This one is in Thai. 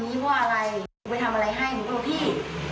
หนูไปทำอะไรให้หนูบอกพี่